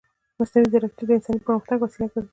مصنوعي ځیرکتیا د انساني پرمختګ وسیله ګرځي.